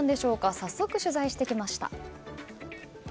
早速、取材してきました。